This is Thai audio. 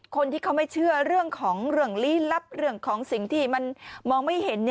คนที่เขาไม่เชื่อเรื่องของเรื่องลี้ลับเรื่องของสิ่งที่มันมองไม่เห็น